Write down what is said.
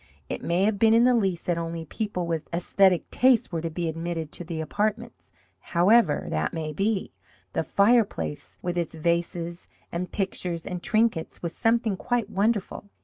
It may have been in the Lease that only people with esthetic tastes were to be admitted to the apartments. However that may be, the fireplace, with its vases and pictures and trinkets, was something quite wonderful.